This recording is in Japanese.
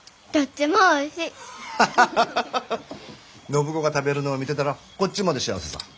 暢子が食べるのを見てたらこっちまで幸せさぁ。